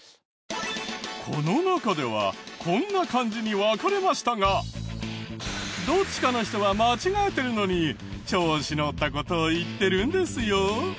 この中ではこんな感じに分かれましたがどっちかの人は間違えてるのに調子乗った事を言ってるんですよ。